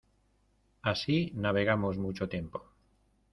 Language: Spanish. así navegamos mucho tiempo.